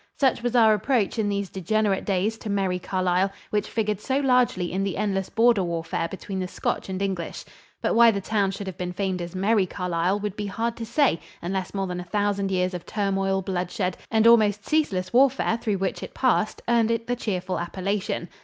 Such was our approach in these degenerate days to "Merrie Carlile," which figured so largely in the endless border warfare between the Scotch and English. But why the town should have been famed as "Merrie Carlile" would be hard to say, unless more than a thousand years of turmoil, bloodshed and almost ceaseless warfare through which it passed earned it the cheerful appellation.